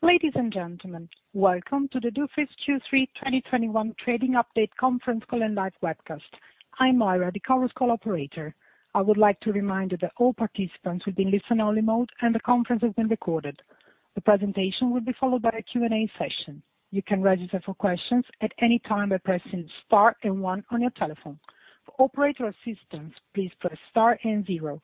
Ladies and gentlemen, welcome to the Dufry's Q3 2021 trading update conference call and live webcast. I'm Myra, the Chorus Call operator. I would like to remind you that all participants will be in listen-only mode, and the conference is being recorded. The presentation will be followed by a Q&A session. You can register for questions at any time by pressing star and one on your telephone. For operator assistance, please press star and zero.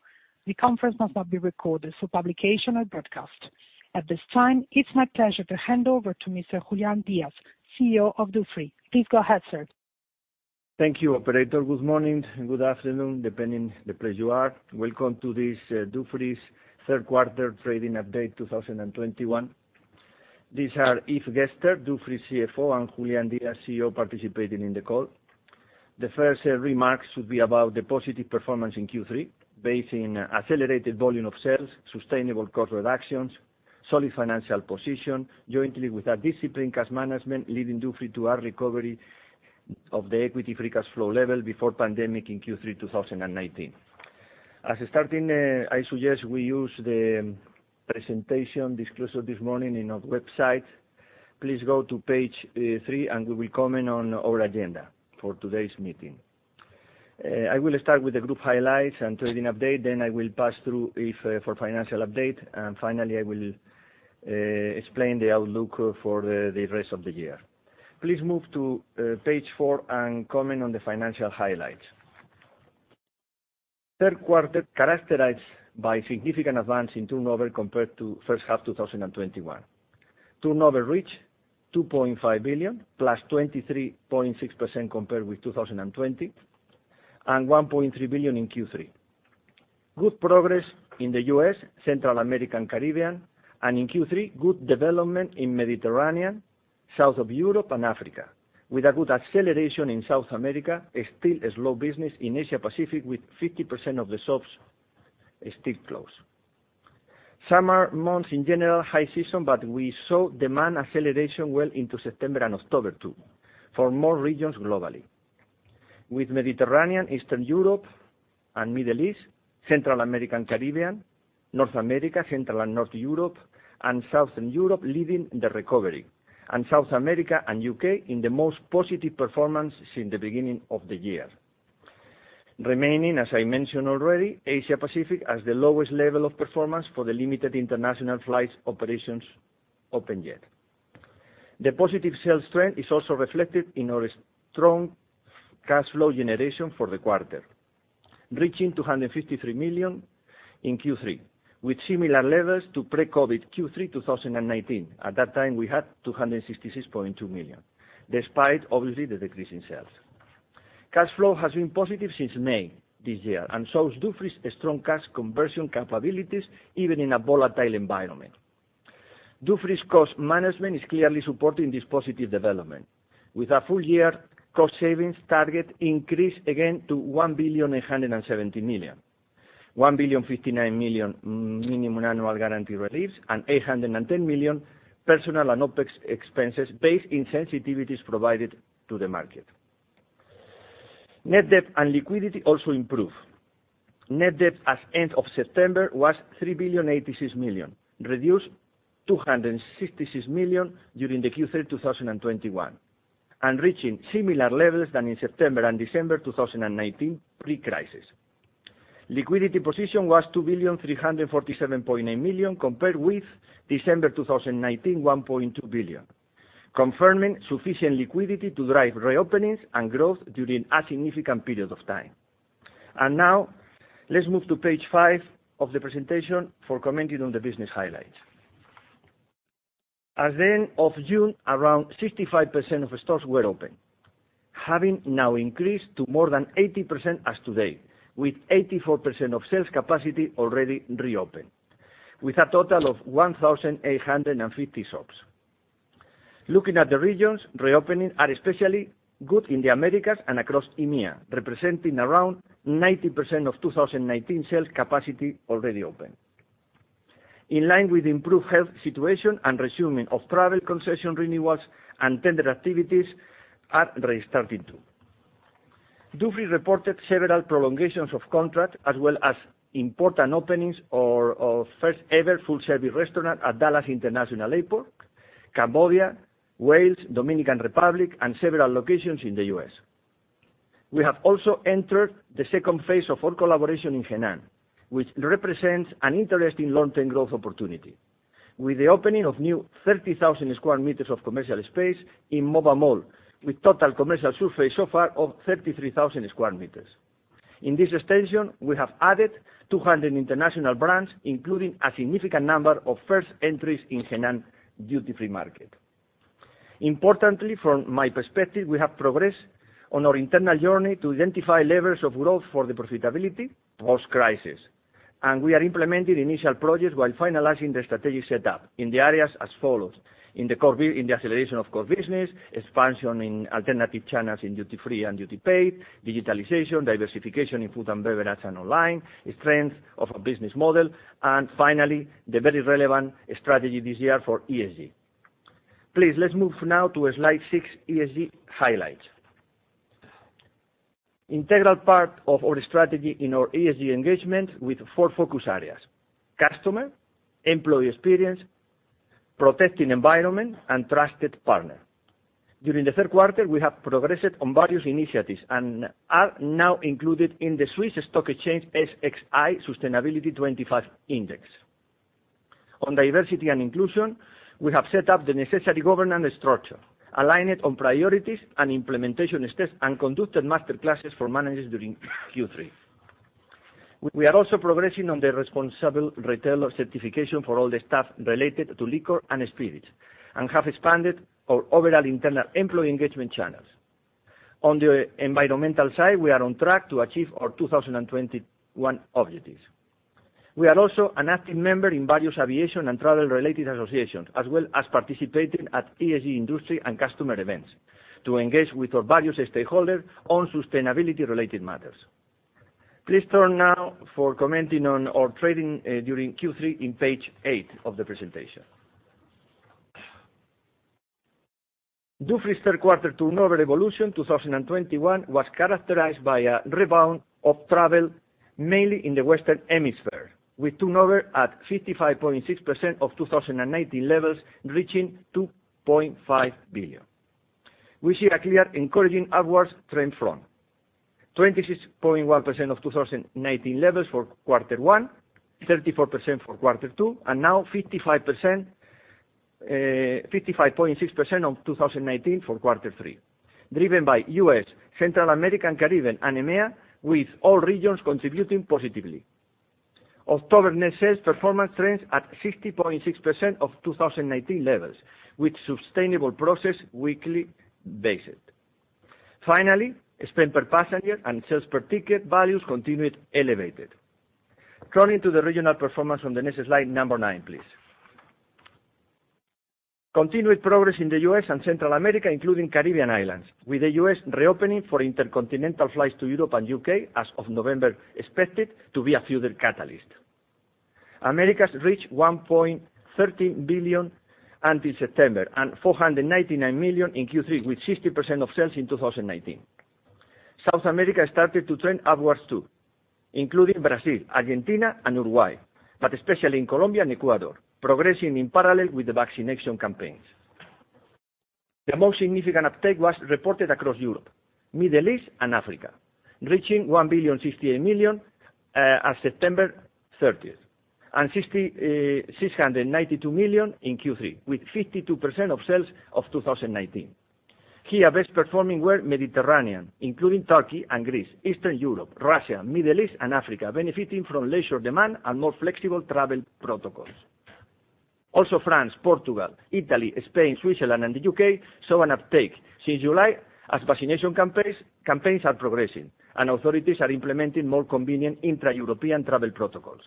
The conference must not be recorded for publication or broadcast. At this time, it's my pleasure to hand over to Mr. Julián Díaz, CEO of Dufry. Please go ahead, sir. Thank you, operator. Good morning, good afternoon, depending on the place you are. Welcome to this Dufry's third quarter trading update 2021. These are Yves Gerster, Dufry's CFO, and Julián Díaz, CEO, participating in the call. The first remarks should be about the positive performance in Q3, based on accelerated volume of sales, sustainable cost reductions, solid financial position, jointly with our disciplined cash management, leading Dufry to our recovery of the equity free cash flow level before pandemic in Q3 2019. As a starting, I suggest we use the presentation disclosed this morning in our website. Please go to page three, and we will comment on our agenda for today's meeting. I will start with the group highlights and trading update, then I will pass through Yves for financial update. Finally, I will explain the outlook for the rest of the year. Please move to page four and comment on the financial highlights. Third quarter characterized by significant advance in turnover compared to first half 2021. Turnover reached 2.5 billion, +23.6% compared with 2020, and 1.3 billion in Q3. Good progress in the U.S., Central America, and Caribbean, and in Q3, good development in Mediterranean, South of Europe, and Africa, with a good acceleration in South America, still a slow business in Asia Pacific, with 50% of the shops still closed. Summer months in general high season, but we saw demand acceleration well into September and October too for more regions globally, with Mediterranean, Eastern Europe, and Middle East, Central America, and Caribbean, North America, Central and North Europe, and Southern Europe leading the recovery, and South America and U.K. in the most positive performance since the beginning of the year. The remaining, as I mentioned already, Asia Pacific has the lowest level of performance due to the limited international flights operations open yet. The positive sales trend is also reflected in our strong cash flow generation for the quarter, reaching 253 million in Q3, with similar levels to pre-COVID Q3 2019. At that time, we had 266.2 million, despite obviously the decrease in sales. Cash flow has been positive since May this year and shows Dufry's strong cash conversion capabilities, even in a volatile environment. Dufry's cost management is clearly supporting this positive development, with our full-year cost savings target increased again to 1.87 billion, 1.059 billion minimum annual guarantee reliefs and 810 million personnel and OPEX expenses based on sensitivities provided to the market. Net debt and liquidity also improve. Net debt as of end of September was 3.086 billion, reduced 266 million during the Q3 2021, and reaching similar levels to in September and December 2019 pre-crisis. Liquidity position was 2,347.8 million, compared with December 2019, 1.2 billion, confirming sufficient liquidity to drive reopening and growth during a significant period of time. Now, let's move to page five of the presentation for commenting on the business highlights. As of end of June, around 65% of stores were open, having now increased to more than 80% as today, with 84% of sales capacity already reopened, with a total of 1,850 shops. Looking at the regions, reopenings are especially good in the Americas and across EMEA, representing around 90% of 2019 sales capacity already open. In line with improved health situation and resuming of travel, concession renewals and tender activities are restarting too. Dufry reported several prolongations of contract, as well as important openings or first-ever full-service restaurant at Dallas International Airport, Cambodia, Wales, Dominican Republic, and several locations in the U.S. We have also entered the second phase of our collaboration in Hainan, which represents an interesting long-term growth opportunity, with the opening of new 30,000 sq m of commercial space in Mova Mall, with total commercial surface so far of 33,000 sq m. In this extension, we have added 200 international brands, including a significant number of first entries in Hainan duty-free market. Importantly, from my perspective, we have progressed on our internal journey to identify levers of growth for the profitability post-crisis. We are implementing initial projects while finalizing the strategic setup in the areas as follows: in the acceleration of core business, expansion in alternative channels in duty-free and duty-paid, digitalization, diversification in food and beverage and online, strength of our business model, and finally, the very relevant strategy this year for ESG. Please, let's move now to slide six, ESG highlights. Integral part of our strategy in our ESG engagement with four focus areas: customer, employee experience, protecting environment, and trusted partner. During the third quarter, we have progressed on various initiatives and are now included in the Swiss Stock Exchange SXI Sustainability 25 Index. On diversity and inclusion, we have set up the necessary governance structure, aligned on priorities and implementation steps, and conducted master classes for managers during Q3. We are also progressing on the Responsible Retailer Certification for all the staff related to liquor and spirits, and have expanded our overall internal employee engagement channels. On the environmental side, we are on track to achieve our 2021 objectives. We are also an active member in various aviation and travel-related associations, as well as participating at ESG industry and customer events to engage with our various stakeholders on sustainability-related matters. Please turn now for commenting on our trading during Q3 in page eight of the presentation. Dufry's third quarter turnover evolution 2021 was characterized by a rebound of travel, mainly in the Western Hemisphere, with turnover at 55.6% of 2019 levels, reaching 2.5 billion. We see a clear encouraging upwards trend from 26.1% of 2019 levels for quarter one, 34% for quarter two, and now 55.6% of 2019 for quarter three, driven by U.S., Central America, and Caribbean, and EMEA, with all regions contributing positively. October net sales performance trends at 60.6% of 2019 levels, with sustainable progress weekly basis. Finally, spend per passenger and sales per ticket values continued elevated. Turning to the regional performance on the next slide, number nine, please. Continued progress in the U.S. and Central America, including Caribbean islands, with the U.S. reopening for intercontinental flights to Europe and U.K. as of November expected to be a further catalyst. Americas reached 1.13 billion until September and 499 million in Q3, with 60% of sales in 2019. South America started to trend upwards too, including Brazil, Argentina, and Uruguay, but especially in Colombia and Ecuador, progressing in parallel with the vaccination campaigns. The most significant uptake was reported across Europe, Middle East, and Africa, reaching 1,068 million as of September 30, and 692 million in Q3 with 52% of sales of 2019. Here, best performing were Mediterranean, including Turkey and Greece, Eastern Europe, Russia, Middle East, and Africa, benefiting from leisure demand and more flexible travel protocols. Also France, Portugal, Italy, Spain, Switzerland, and the U.K. saw an uptake since July as vaccination campaigns are progressing and authorities are implementing more convenient intra-European travel protocols.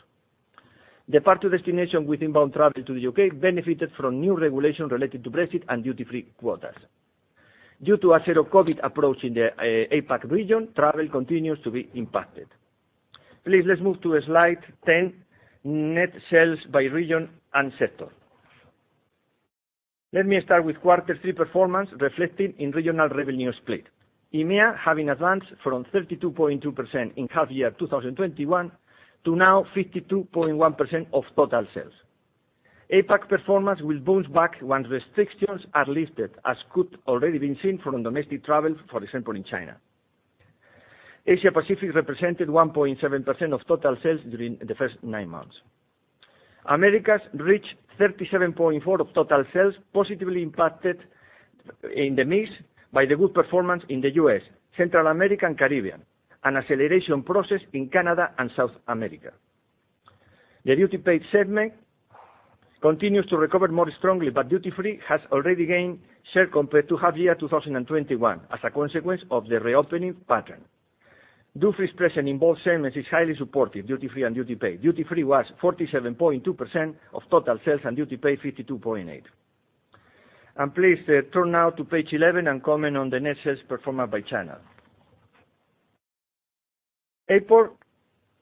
Departure destination with inbound travel to the U.K. benefited from new regulations related to Brexit and duty-free quotas. Due to a zero-COVID approach in the APAC region, travel continues to be impacted. Please, let's move to slide 10, net sales by region and sector. Let me start with quarter three performance reflected in regional revenue split, EMEA having advanced from 32.2% in half year 2021 to now 52.1% of total sales. APAC performance will bounce back once restrictions are lifted, as can already be seen from domestic travel, for example, in China. Asia-Pacific represented 1.7% of total sales during the first nine months. Americas reached 37.4% of total sales, positively impacted in the mix by the good performance in the U.S., Central America, and Caribbean, and acceleration process in Canada and South America. The duty-paid segment continues to recover more strongly, but duty-free has already gained share compared to half year 2021 as a consequence of the reopening pattern. Dufry's presence in both segments is highly supportive, duty-free and duty-paid. Duty-free was 47.2% of total sales, and duty-paid 52.8%. Please, turn now to page 11 and comment on the net sales performance by channel. Airport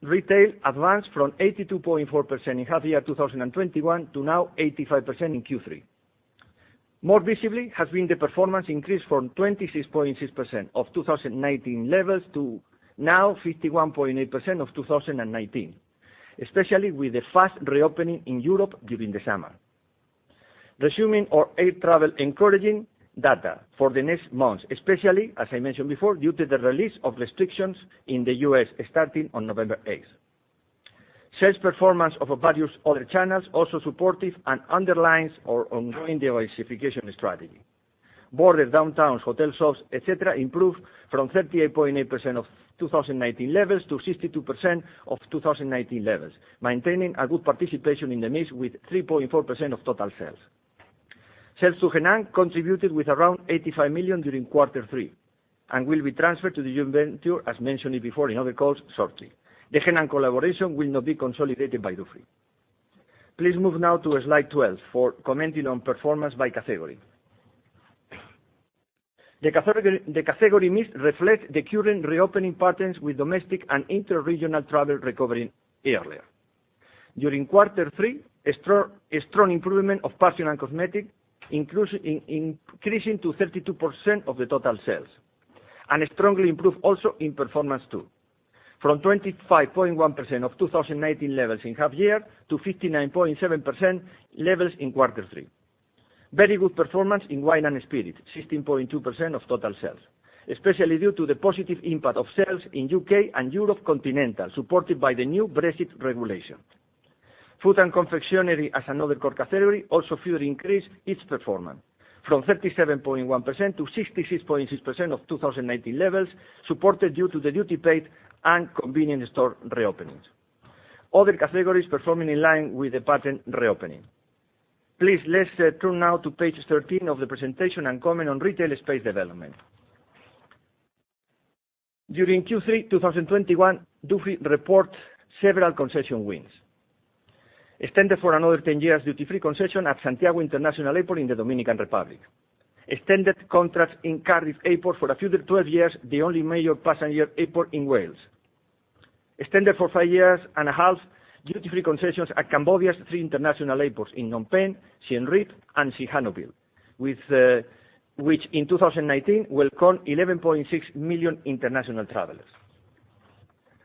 retail advanced from 82.4% in half year 2021 to now 85% in Q3. More visibly has been the performance increase from 26.6% of 2019 levels to now 51.8% of 2019, especially with the fast reopening in Europe during the summer. Resuming our air travel encouraging data for the next months, especially, as I mentioned before, due to the release of restrictions in the U.S. starting on November 8th. Sales performance of our various other channels also supportive and underlines our ongoing diversification strategy. Borders, downtowns, hotel shops, et cetera, improved from 38.8% of 2019 levels to 62% of 2019 levels, maintaining a good participation in the mix with 3.4% of total sales. Sales to Hainan contributed with around 85 million during quarter three and will be transferred to the joint venture, as mentioned before in other calls shortly. The Hainan collaboration will not be consolidated by Dufry. Please move now to slide 12 for commenting on performance by category. The category mix reflects the current reopening patterns with domestic and interregional travel recovering earlier. During quarter three, a strong improvement in perfumes and cosmetics, increasing to 32% of the total sales, and strongly improved also in performance too, from 25.1% of 2019 levels in half year to 59.7% levels in quarter three. Very good performance in wines and spirits, 16.2% of total sales, especially due to the positive impact of sales in U.K. and Continental Europe, supported by the new Brexit regulation. Food and confectionery as another core category also further increased its performance from 37.1% to 66.6% of 2019 levels, supported due to the duty-paid and convenience store reopenings. Other categories performing in line with the pattern reopening. Let's turn now to page 13 of the presentation and comment on retail space development. During Q3 2021, Dufry reports several concession wins. Extended for another 10 years duty-free concession at Santiago International Airport in the Dominican Republic. Extended contracts in Cardiff Airport for a further 12 years, the only major passenger airport in Wales. Extended for five years and a half duty-free concessions at Cambodia's three international airports in Phnom Penh, Siem Reap, and Sihanoukville, with which in 2019 welcomed 11.6 million international travelers.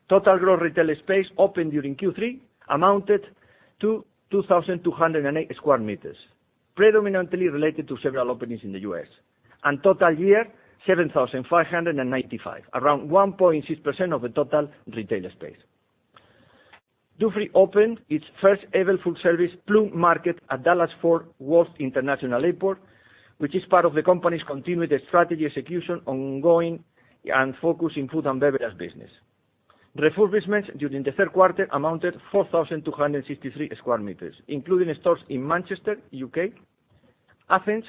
Total gross retail space opened during Q3 amounted to 2,208 sq m, predominantly related to several openings in the U.S., and total year, 7,595 sq m, around 1.6% of the total retail space. Dufry opened its first ever food service, Plum Market, at Dallas Fort Worth International Airport, which is part of the company's continued strategy execution ongoing and focus in food and beverage business. Refurbishments during the third quarter amounted 4,263 sq m, including stores in Manchester, U.K., Athens,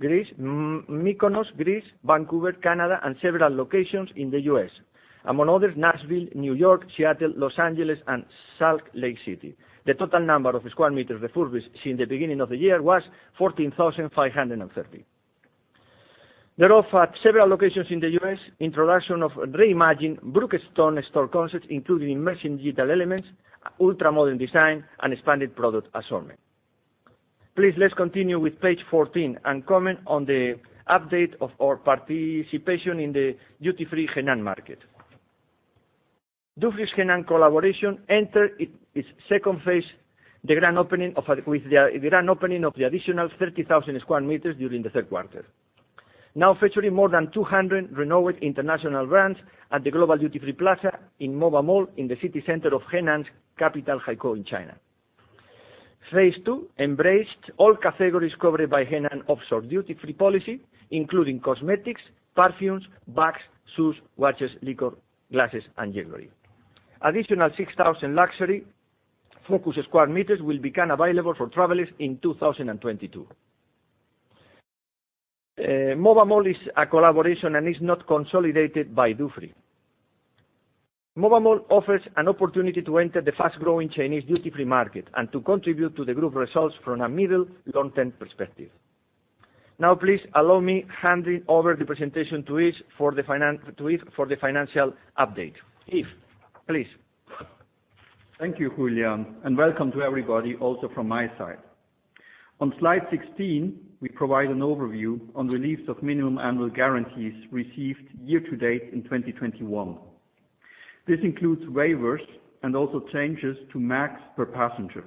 Greece, Mykonos, Greece, Vancouver, Canada, and several locations in the U.S. Among others, Nashville, New York, Seattle, Los Angeles, and Salt Lake City. The total number of sq m refurbished since the beginning of the year was 14,530 sq m. In several locations in the U.S., introduction of reimagined Brookstone store concepts, including emerging digital elements, ultra-modern design, and expanded product assortment. Please, let's continue with page 14 and comment on the update of our participation in the duty-free Hainan market. Dufry's Hainan collaboration entered its second phase with the grand opening of the additional 30,000 sq m during the third quarter. Now featuring more than 200 renewed international brands at the global duty-free plaza in Mova Mall in the city center of Hainan's capital, Haikou, China. Phase two embraced all categories covered by Hainan offshore duty-free policy, including cosmetics, perfumes, bags, shoes, watches, liquor, glasses, and jewelry. Additional 6,000 luxury-focused sq m will become available for travelers in 2022. Mova Mall is a collaboration and is not consolidated by Dufry. Mova Mall offers an opportunity to enter the fast-growing Chinese duty-free market and to contribute to the group results from a middle to long-term perspective. Now, please allow me handing over the presentation to Yves for the financial update. Yves, please. Thank you, Julián, and welcome to everybody also from my side. On slide 16, we provide an overview on reliefs of minimum annual guarantees received year-to-date in 2021. This includes waivers and also changes to MAG per passenger.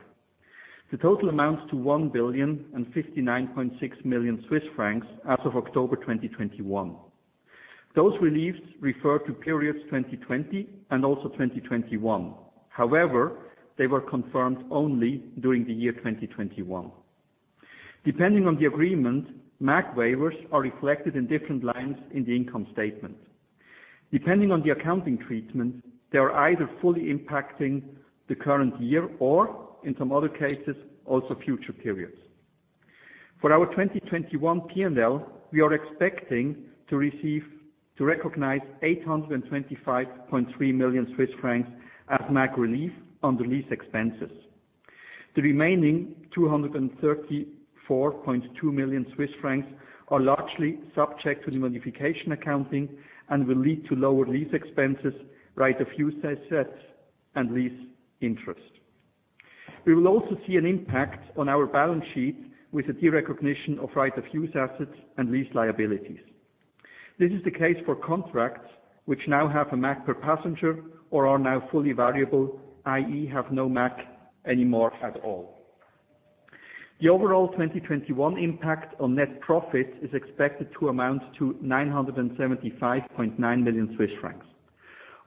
The total amounts to 1,059.6 million Swiss francs as of October 2021. Those reliefs refer to periods 2020 and also 2021. However, they were confirmed only during the year 2021. Depending on the agreement, MAG waivers are reflected in different lines in the income statement. Depending on the accounting treatment, they are either fully impacting the current year or in some other cases, also future periods. For our 2021 P&L, we are expecting to recognize 825.3 million Swiss francs as MAG relief on the lease expenses. The remaining 234.2 million Swiss francs are largely subject to the modification accounting and will lead to lower lease expenses, right-of-use assets, and lease interest. We will also see an impact on our balance sheet with the derecognition of right-of-use assets and lease liabilities. This is the case for contracts which now have a MAG per passenger or are now fully variable, i.e., have no MAG anymore at all. The overall 2021 impact on net profit is expected to amount to 975.9 million Swiss francs.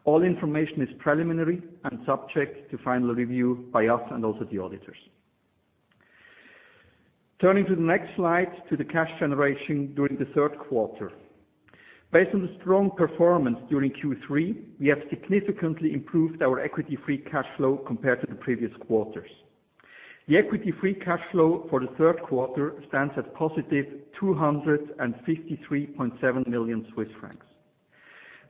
All information is preliminary and subject to final review by us and also the auditors. Turning to the next slide, to the cash generation during the third quarter. Based on the strong performance during Q3, we have significantly improved our equity free cash flow compared to the previous quarters. The equity free cash flow for the third quarter stands at +253.7 million Swiss francs.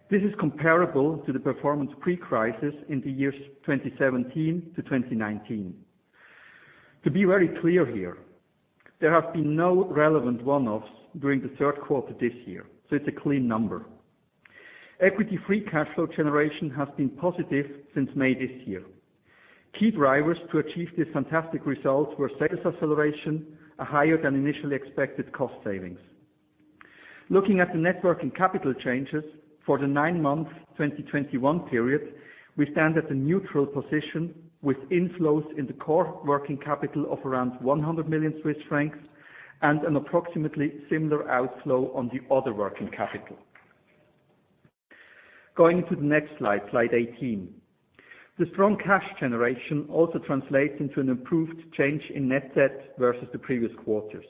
This is comparable to the performance pre-crisis in the years 2017 to 2019. To be very clear here, there have been no relevant one-offs during the third quarter this year, so it's a clean number. Equity free cash flow generation has been positive since May this year. Key drivers to achieve these fantastic results were sales acceleration, a higher than initially expected cost savings. Looking at the net working capital changes for the nine-month 2021 period, we stand at a neutral position with inflows in the core working capital of around 100 million Swiss francs and an approximately similar outflow on the other working capital. Going to the next slide 18. The strong cash generation also translates into an improved change in net debt versus the previous quarters.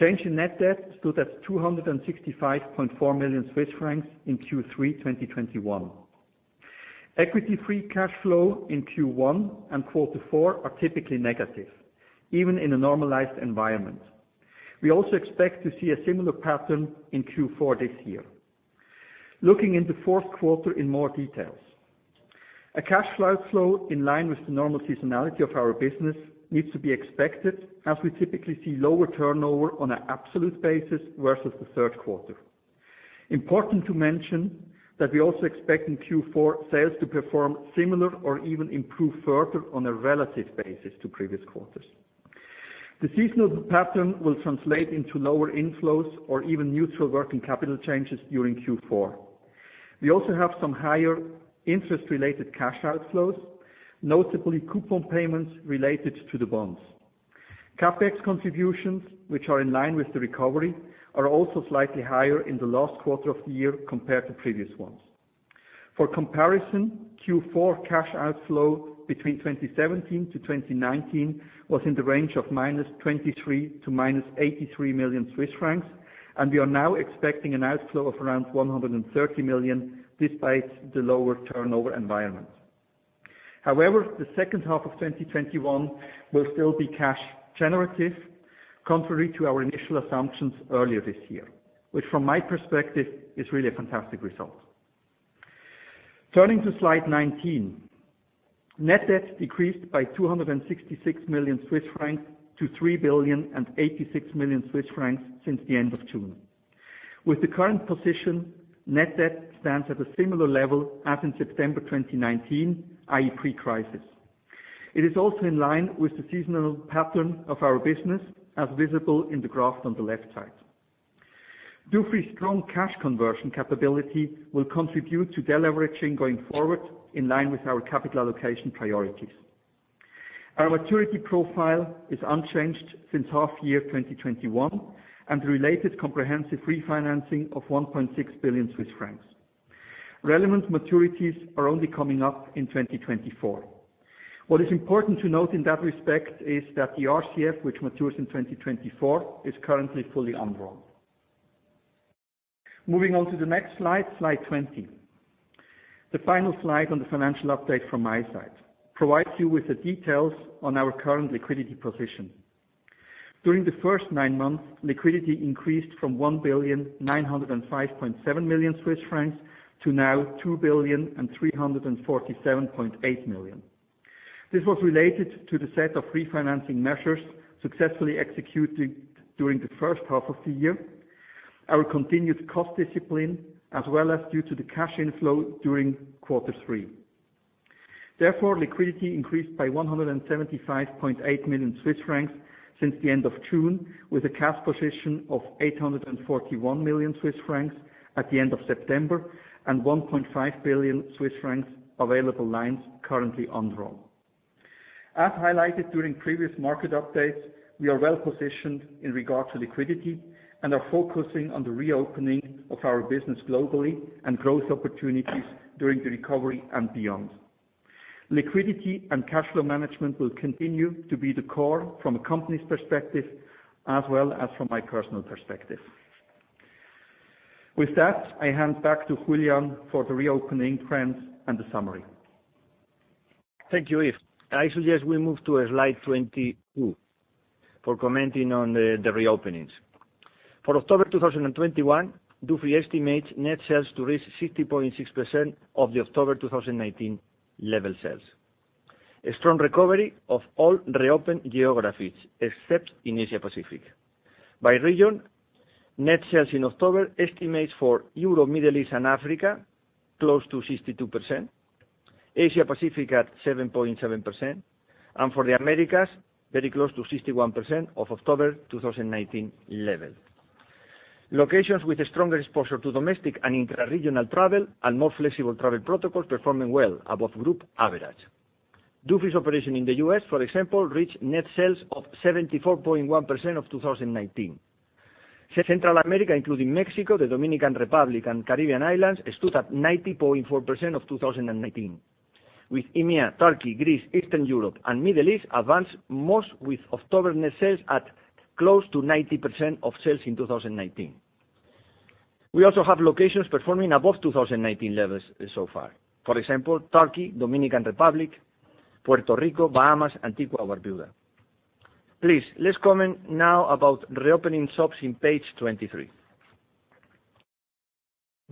Change in net debt stood at 265.4 million Swiss francs in Q3 2021. Equity free cash flow in Q1 and Q4 are typically negative, even in a normalized environment. We also expect to see a similar pattern in Q4 this year. Looking into the fourth quarter in more detail. A cash flow in line with the normal seasonality of our business needs to be expected, as we typically see lower turnover on an absolute basis versus the third quarter. Important to mention that we're also expecting Q4 sales to perform similarly or even improve further on a relative basis to previous quarters. The seasonal pattern will translate into lower inflows or even neutral working capital changes during Q4. We also have some higher interest related cash outflows, notably coupon payments related to the bonds. CapEx contributions, which are in line with the recovery, are also slightly higher in the last quarter of the year compared to previous ones. For comparison, Q4 cash outflow between 2017-2019 was in the range of -23 million--83 million Swiss francs, and we are now expecting an outflow of around 130 million despite the lower turnover environment. However, the second half of 2021 will still be cash generative, contrary to our initial assumptions earlier this year, which from my perspective, is really a fantastic result. Turning to slide 19. Net debt decreased by 266 million-3,086 million Swiss francs since the end of June. With the current position, net debt stands at a similar level as in September 2019, i.e., pre-crisis. It is also in line with the seasonal pattern of our business as visible in the graph on the left side. Dufry's strong cash conversion capability will contribute to deleveraging going forward in line with our capital allocation priorities. Our maturity profile is unchanged since half year 2021 and the related comprehensive refinancing of 1.6 billion Swiss francs. Relevant maturities are only coming up in 2024. What is important to note in that respect is that the RCF, which matures in 2024, is currently fully undrawn. Moving on to the next slide 20. The final slide on the financial update from my side provides you with the details on our current liquidity position. During the first nine months, liquidity increased from 1,905.7 million Swiss francs to now 2,347.8 million. This was related to the set of refinancing measures successfully executed during the first half of the year, our continued cost discipline, as well as due to the cash inflow during quarter three. Therefore, liquidity increased by 175.8 million Swiss francs since the end of June, with a cash position of 841 million Swiss francs at the end of September and 1.5 billion Swiss francs available lines currently undrawn. As highlighted during previous market updates, we are well-positioned in regard to liquidity and are focusing on the reopening of our business globally and growth opportunities during the recovery and beyond. Liquidity and cash flow management will continue to be the core from a company's perspective as well as from my personal perspective. With that, I hand back to Julián for the reopening trends and the summary. Thank you, Yves. I suggest we move to slide 22 for commenting on the reopenings. For October 2021, Dufry estimates net sales to reach 60.6% of the October 2019 level sales. A strong recovery of all reopen geographies, except in Asia-Pacific. By region, net sales in October estimates for Europe, Middle East and Africa, close to 62%, Asia-Pacific at 7.7%, and for the Americas, very close to 61% of October 2019 level. Locations with a stronger exposure to domestic and intra-regional travel and more flexible travel protocols performing well above group average. Dufry's operation in the U.S., for example, reached net sales of 74.1% of 2019. Central America, including Mexico, the Dominican Republic and Caribbean islands, stood at 90.4% of 2019, with EMEA, Turkey, Greece, Eastern Europe, and Middle East advanced most with October net sales at close to 90% of sales in 2019. We also have locations performing above 2019 levels so far. For example, Turkey, Dominican Republic, Puerto Rico, Bahamas, Antigua and Barbuda. Please, let's comment now about reopening shops in page 23.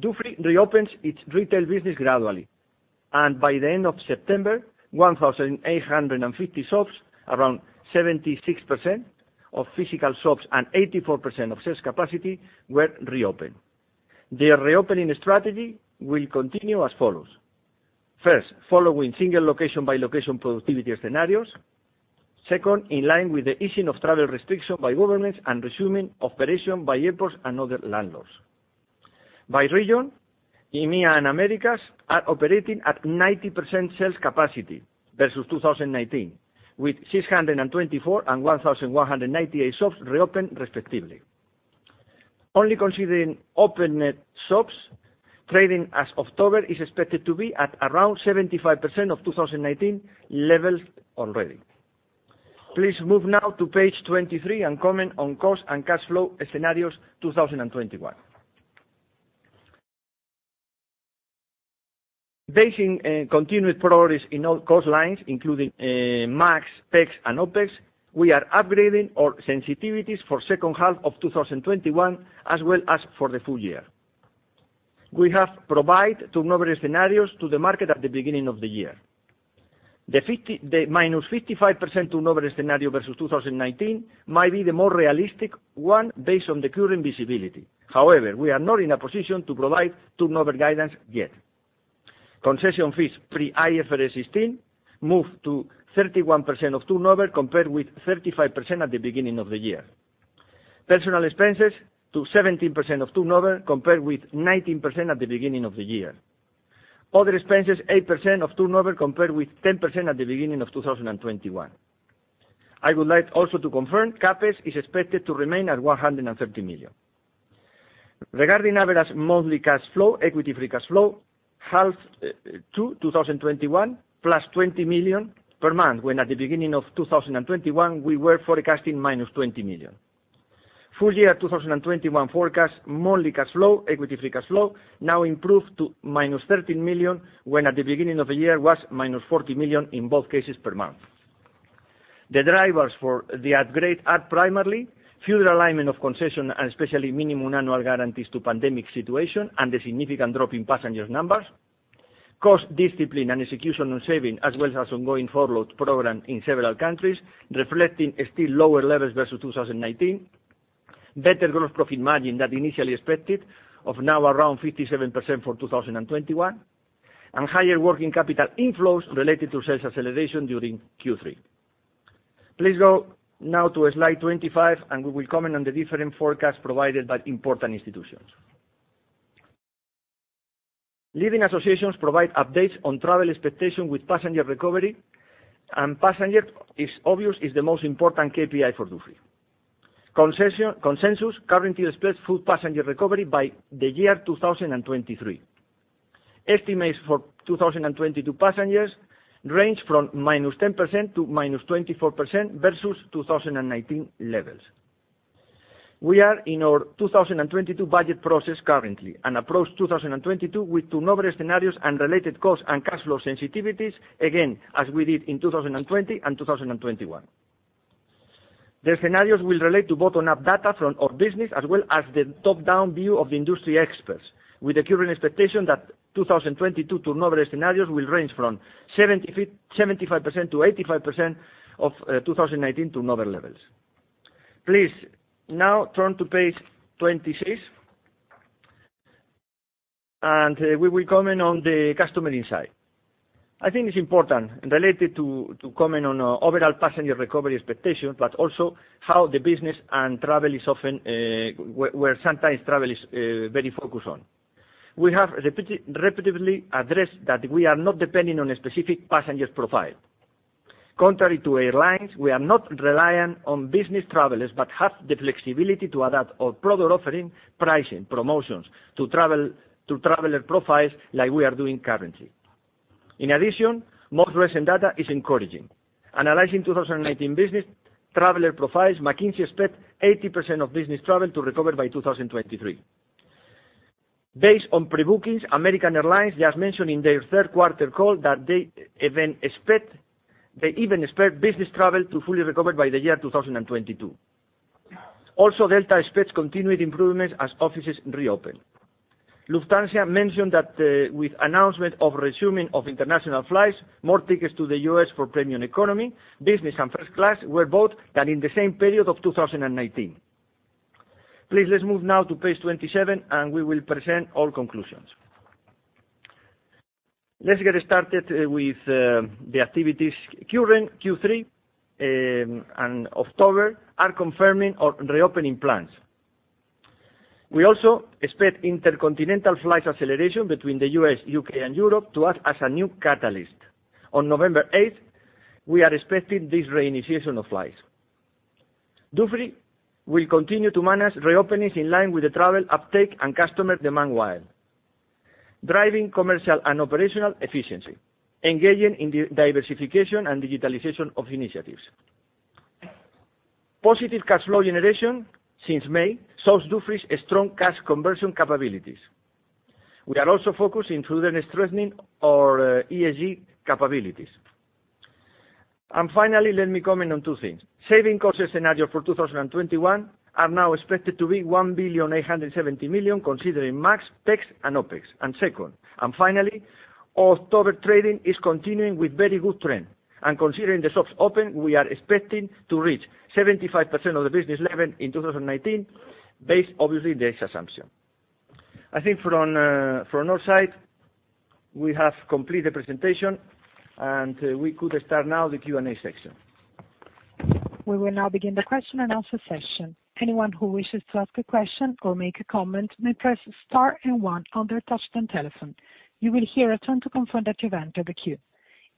Dufry reopens its retail business gradually, and by the end of September, 1,850 shops, around 76% of physical shops and 84% of sales capacity were reopened. Their reopening strategy will continue as follows. First, following single location by location productivity scenarios. Second, in line with the easing of travel restrictions by governments and resuming operation by airports and other landlords. By region, EMEA and Americas are operating at 90% sales capacity versus 2019, with 624 and 1,198 shops reopened, respectively. Only considering open net shops, trading as of October is expected to be at around 75% of 2019 levels already. Please move now to page 23 and comment on cost and cash flow scenarios 2021. Based on continued progress in all cost lines, including MAG, PEX, and OPEX, we are upgrading our sensitivities for second half of 2021 as well as for the full year. We have provided turnover scenarios to the market at the beginning of the year. The -55% turnover scenario versus 2019 might be the more realistic one based on the current visibility. However, we are not in a position to provide turnover guidance yet. Concession fees pre-IFRS 16 moved to 31% of turnover compared with 35% at the beginning of the year. Personnel expenses to 17% of turnover compared with 19% at the beginning of the year. Other expenses, 8% of turnover compared with 10% at the beginning of 2021. I would like also to confirm CapEx is expected to remain at 130 million. Regarding average monthly cash flow, equity free cash flow, half to 2021 +20 million per month, when at the beginning of 2021 we were forecasting -20 million. Full year 2021 forecast monthly cash flow, equity free cash flow now improved to -13 million, when at the beginning of the year it was -40 million in both cases per month. The drivers for the upgrade are primarily further alignment of concession and especially minimum annual guarantees to pandemic situation and the significant drop in passenger numbers, cost discipline and execution on saving, as well as ongoing forward program in several countries reflecting still lower levels versus 2019, better gross profit margin than initially expected of now around 57% for 2021, and higher working capital inflows related to sales acceleration during Q3. Please go now to slide 25 and we will comment on the different forecasts provided by important institutions. Leading associations provide updates on travel expectations with passenger recovery, and passenger is obviously the most important KPI for Dufry. Consensus currently expects full passenger recovery by the year 2023. Estimates for 2022 passengers range from -10% to -24% versus 2019 levels. We are in our 2022 budget process currently and approach 2022 with turnover scenarios and related cost and cash flow sensitivities again as we did in 2020 and 2021. The scenarios will relate to bottom-up data from our business as well as the top-down view of the industry experts with the current expectation that 2022 turnover scenarios will range from 75%-85% of 2019 turnover levels. Please now turn to page 26 and we will comment on the customer insight. I think it's important to comment on overall passenger recovery expectation, but also how the business and travel is often where sometimes travel is very focused on. We have repeatedly addressed that we are not depending on a specific passenger profile. Contrary to airlines, we are not reliant on business travelers, but have the flexibility to adapt our product offering, pricing, promotions to traveler profiles like we are doing currently. In addition, most recent data is encouraging. Analyzing 2019 business traveler profiles, McKinsey expect 80% of business travel to recover by 2023. Based on pre-bookings, American Airlines just mentioned in their third quarter call that they even expect business travel to fully recover by the year 2022. Also, Delta expects continued improvements as offices reopen. Lufthansa mentioned that, with announcement of resuming of international flights, more tickets to the U.S. for premium economy, business and first class were bought than in the same period of 2019. Please, let's move now to page 27 and we will present all conclusions. Let's get started with the activities. Current Q3 and October are confirming our reopening plans. We also expect intercontinental flights acceleration between the U.S., U.K. and Europe to act as a new catalyst. On November 8, we are expecting this re-initiation of flights. Dufry will continue to manage reopenings in line with the travel uptake and customer demand while driving commercial and operational efficiency, engaging in diversification and digitalization of initiatives. Positive cash flow generation since May shows Dufry's strong cash conversion capabilities. We are also focused in further strengthening our ESG capabilities. Finally, let me comment on two things. Cost savings scenario for 2021 are now expected to be 1.87 billion considering MAG, tax and OpEx. Second, finally, October trading is continuing with very good trend. Considering the shops open, we are expecting to reach 75% of the business level in 2019, based on this assumption, obviously. I think from our side, we have completed the presentation and we could start now the Q&A section. We will now begin the question-and-answer session. Anyone who wishes to ask a question or make a comment may press star and one on their touch-tone telephone. You will hear a tone to confirm that you've entered the queue.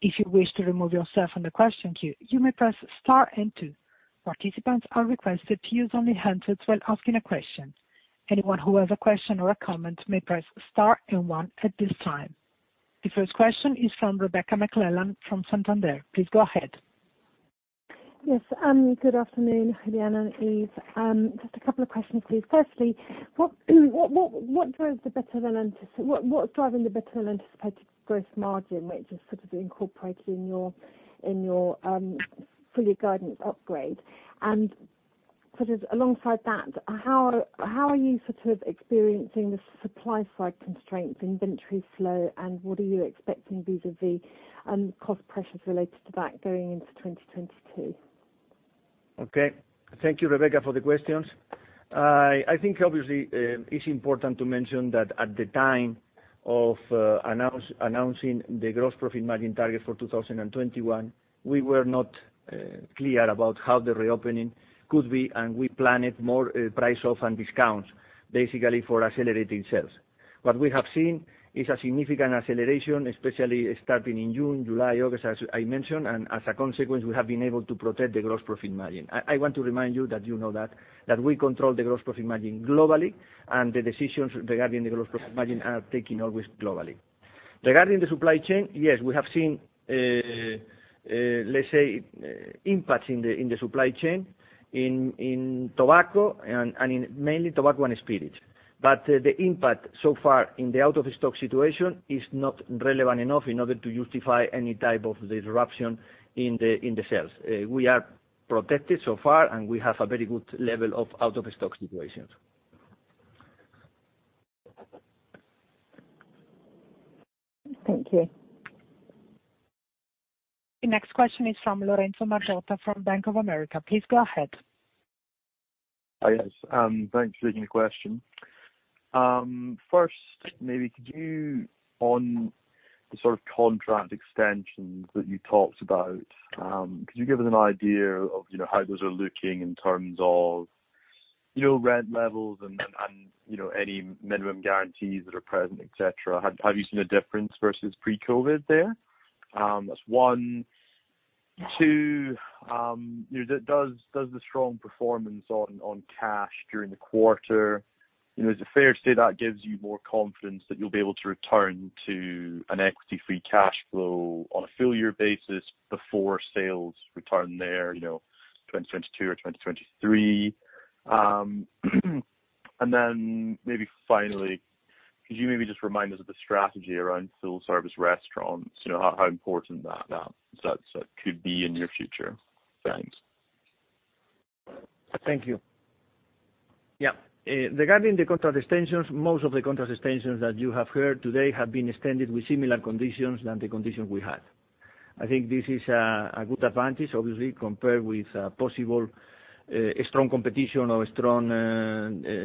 If you wish to remove yourself from the question queue, you may press star and two. Participants are requested to use only handsets when asking a question. Anyone who has a question or a comment may press star and one at this time. The first question is from Rebecca McClellan from Santander. Please go ahead. Yes. Good afternoon, Julián and Yves. Just a couple of questions, please. Firstly, what's driving the better than anticipated gross margin, which is sort of incorporated in your full year guidance upgrade? Alongside that, how are you sort of experiencing the supply side constraints, inventory flow, and what are you expecting vis-a-vis cost pressures related to that going into 2022? Okay. Thank you, Rebecca, for the questions. I think obviously, it's important to mention that at the time of announcing the gross profit margin target for 2021, we were not clear about how the reopening could be, and we planned more price off and discounts, basically for accelerating sales. What we have seen is a significant acceleration, especially starting in June, July, August, as I mentioned, and as a consequence, we have been able to protect the gross profit margin. I want to remind you that you know that we control the gross profit margin globally and the decisions regarding the gross profit margin are taken always globally. Regarding the supply chain, yes, we have seen, let's say, impacts in the supply chain in tobacco and mainly tobacco and spirits. The impact so far in the out-of-stock situation is not relevant enough in order to justify any type of disruption in the sales. We are protected so far, and we have a very good level of out-of-stock situations. Thank you. The next question is from Lorenzo Margiotta from Bank of America. Please go ahead. Hi, yes. Thanks for taking the question. First, maybe could you on the sort of contract extensions that you talked about, could you give us an idea of, you know, how those are looking in terms of, you know, rent levels and, you know, any minimum guarantees that are present, et cetera? Have you seen a difference versus pre-COVID there? That's one. Two, you know, does the strong performance on cash during the quarter, you know, is it fair to say that gives you more confidence that you'll be able to return to an equity free cash flow on a full year basis before sales return there, you know, 2022 or 2023? Maybe finally, could you maybe just remind us of the strategy around full-service restaurants, you know, how important that could be in your future? Thanks. Thank you. Yeah. Regarding the contract extensions, most of the contract extensions that you have heard today have been extended with similar conditions than the conditions we had. I think this is a good advantage, obviously, compared with possible strong competition or strong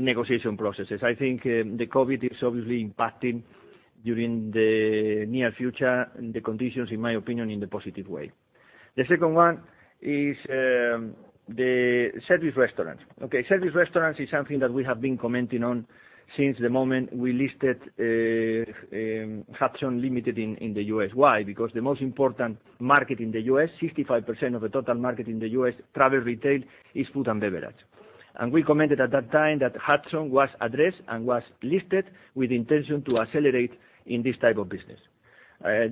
negotiation processes. I think the COVID is obviously impacting during the near future, the conditions, in my opinion, in the positive way. The second one is the service restaurants. Service restaurants is something that we have been commenting on since the moment we listed Hudson Ltd. in the U.S. Why? Because the most important market in the U.S., 65% of the total market in the U.S. travel retail is food and beverage. We commented at that time that Hudson was addressed and was listed with intention to accelerate in this type of business.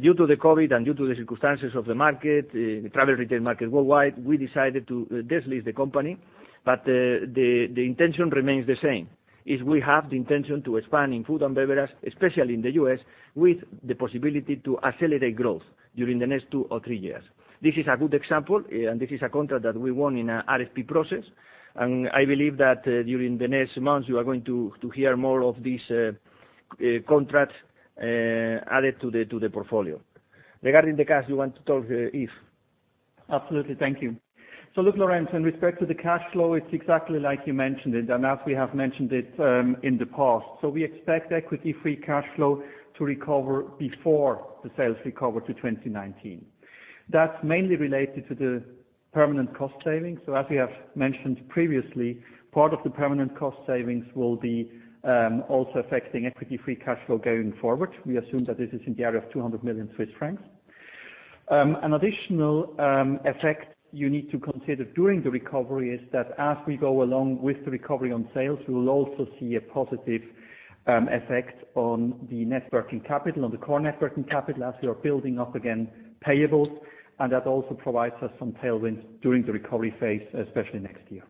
Due to the COVID and due to the circumstances of the market, travel retail market worldwide, we decided to delist the company, but the intention remains the same, is we have the intention to expand in food and beverage, especially in the U.S., with the possibility to accelerate growth during the next two or three years. This is a good example, and this is a contract that we won in a RFP process, and I believe that during the next months, you are going to hear more of these contracts added to the portfolio. Regarding the cash, you want to talk, Yves? Absolutely. Thank you. Look, Lorenzo, in respect to the cash flow, it's exactly like you mentioned it, and as we have mentioned it in the past. We expect equity free cash flow to recover before the sales recover to 2019. That's mainly related to the permanent cost savings. As we have mentioned previously, part of the permanent cost savings will be also affecting equity free cash flow going forward. We assume that this is in the area of 200 million Swiss francs. An additional effect you need to consider during the recovery is that as we go along with the recovery on sales, we will also see a positive effect on the net working capital, on the core net working capital as we are building up again payables, and that also provides us some tailwinds during the recovery phase, especially next year.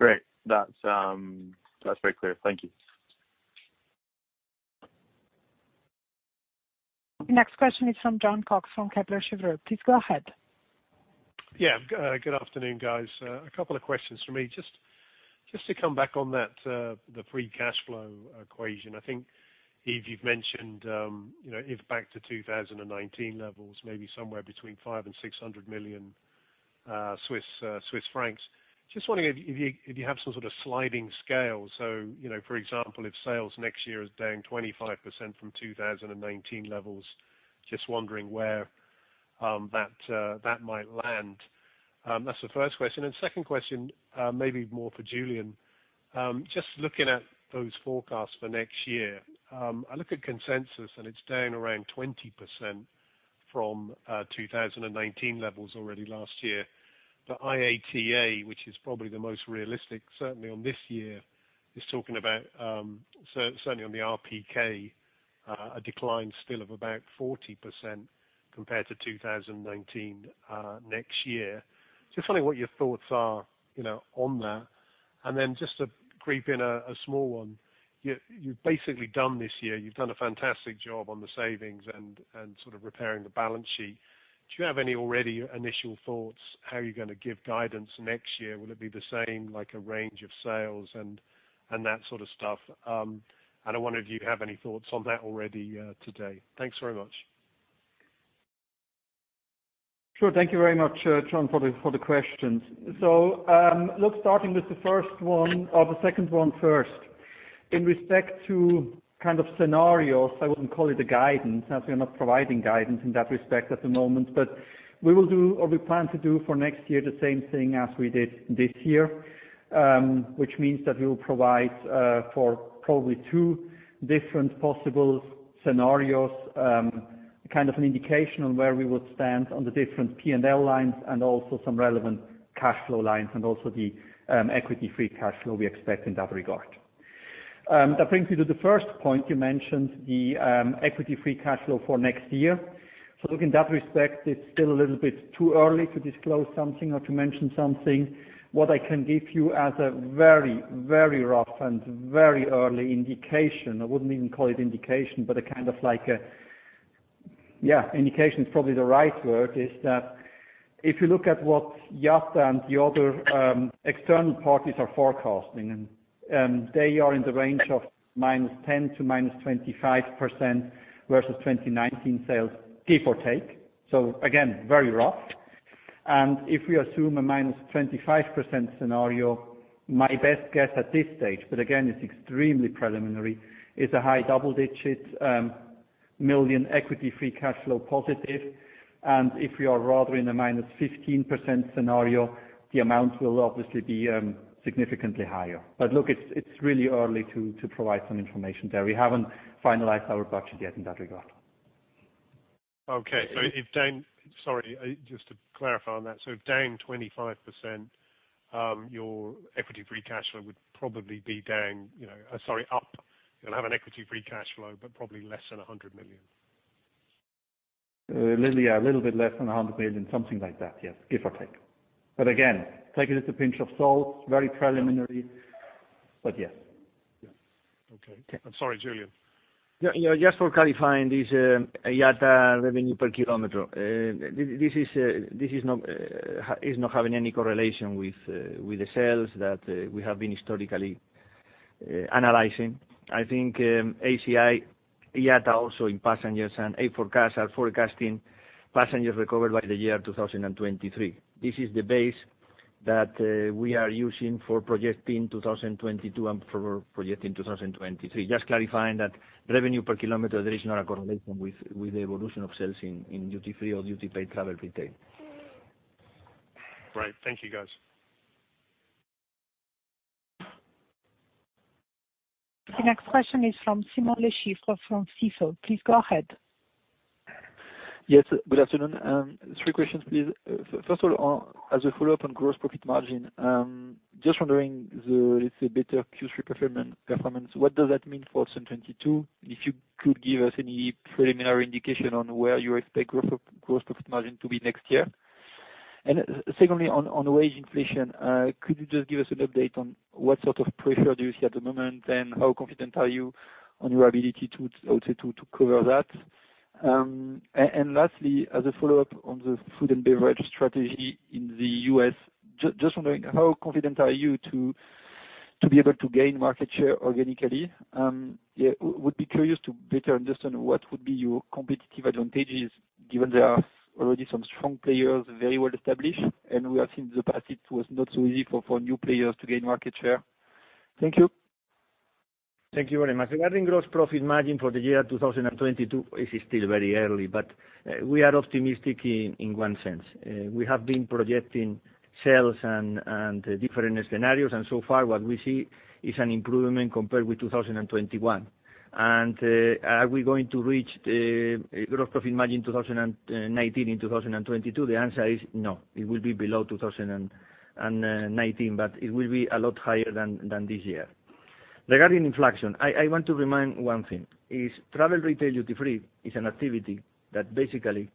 Great. That's very clear. Thank you. Next question is from Jon Cox from Kepler Cheuvreux. Please go ahead. Yeah. Good afternoon, guys. A couple of questions from me. Just to come back on that, the free cash flow equation. I think, Yves, you've mentioned, you know, if back to 2019 levels, maybe somewhere between 500 million and 600 million Swiss francs. Just wondering if you have some sort of sliding scale. You know, for example, if sales next year is down 25% from 2019 levels, just wondering where that might land. That's the first question. Second question, maybe more for Julián. Just looking at those forecasts for next year, I look at consensus, and it's down around 20% from 2019 levels already last year. The IATA, which is probably the most realistic, certainly on this year, is talking about certainly on the RPK, a decline still of about 40% compared to 2019, next year. Just wondering what your thoughts are, you know, on that. Then just to creep in a small one. You've basically done this year. You've done a fantastic job on the savings and sort of repairing the balance sheet. Do you have any already initial thoughts how you're gonna give guidance next year? Will it be the same, like, a range of sales and that sort of stuff? I wonder if you have any thoughts on that already, today. Thanks very much. Sure. Thank you very much, Jon, for the questions. Look, starting with the first one or the second one first. In respect to kind of scenarios, I wouldn't call it a guidance, as we are not providing guidance in that respect at the moment. We will do, or we plan to do for next year the same thing as we did this year, which means that we will provide, for probably two different possible scenarios, kind of an indication on where we would stand on the different P&L lines and also some relevant cash flow lines and also the equity free cash flow we expect in that regard. That brings me to the first point you mentioned, the equity free cash flow for next year. Look, in that respect, it's still a little bit too early to disclose something or to mention something. What I can give you as a very, very rough and very early indication, I wouldn't even call it indication, but a kind of like a. Yeah, indication is probably the right word, is that if you look at what IATA and the other external parties are forecasting, and they are in the range of -10% to -25% versus 2019 sales, give or take. Again, very rough. If we assume a -25% scenario, my best guess at this stage, but again, it's extremely preliminary, is a high double-digit million equity free cash flow positive. If we are rather in a -15% scenario, the amount will obviously be significantly higher. Look, it's really early to provide some information there. We haven't finalized our budget yet in that regard. Okay. Sorry, just to clarify on that. Down 25%, your equity free cash flow would probably be up. You'll have an equity free cash flow, but probably less than 100 million. Literally, yeah, a little bit less than 100 million, something like that, yes. Give or take. Again, take it with a pinch of salt. Very preliminary, but yes. Yeah. Okay. Yeah. I'm sorry, Julián. Yeah. Just for clarifying this, IATA revenue per kilometer. This is not having any correlation with the sales that we have been historically analyzing. I think, ACI, IATA also in passengers and Air4casts are forecasting passengers recovered by the year 2023. This is the base that we are using for projecting 2022 and for projecting 2023. Just clarifying that revenue per kilometer, there is not a correlation with the evolution of sales in duty-free or duty paid travel retail. Right. Thank you, guys. The next question is from Simon Lechipre from Stifel. Please go ahead. Yes. Good afternoon. Three questions, please. First of all, on as a follow-up on gross profit margin, just wondering, let's say, better Q3 performance, what does that mean for 2022? If you could give us any preliminary indication on where you expect growth of gross profit margin to be next year. Secondly, on wage inflation, could you just give us an update on what sort of pressure do you see at the moment, and how confident are you on your ability to, I would say, to cover that? Lastly, as a follow-up on the food and beverage strategy in the U.S., just wondering how confident are you to be able to gain market share organically? Yeah, would be curious to better understand what would be your competitive advantages, given there are already some strong players, very well established, and we have seen in the past it was not so easy for new players to gain market share. Thank you. Thank you very much. Regarding gross profit margin for the year 2022, this is still very early, but we are optimistic in one sense. We have been projecting sales and different scenarios, and so far what we see is an improvement compared with 2021. Are we going to reach the gross profit margin 2019 in 2022? The answer is no. It will be below 2019, but it will be a lot higher than this year. Regarding inflation, I want to remind one thing. Travel retail duty-free is an activity that basically